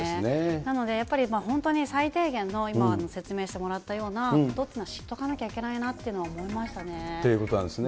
なので、やっぱり本当に最低限の今、説明してもらったようなことを知っておかなきゃいけないなと思いということなんですね。